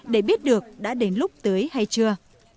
để biết được đã đến lúc tưới hay chưa